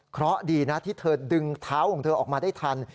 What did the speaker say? เพราะดีนะที่เธอดึงเท้าของเธอออกมาได้ทัน